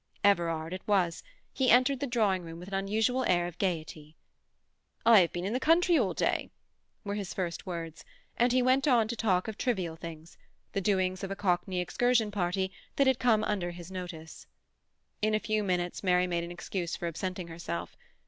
Everard it was; he entered the drawing room with an unusual air of gaiety. "I have been in the country all day," were his first words; and he went on to talk of trivial things—the doings of a Cockney excursion party that had come under his notice. In a few minutes Mary made an excuse for absenting herself.